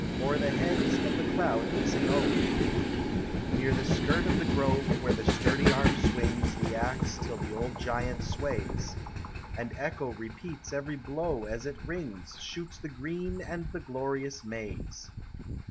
O'er the heads of the cloud kissing oak; Near the skirt of the grove, where the sturdy arm swings The axe till the old giant sways, And echo repeats every blow as it rings, Shoots the green and the glorious maize